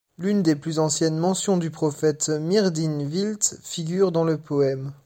L'une des plus anciennes mentions du prophète Myrddin Wyllt figure dans le poème.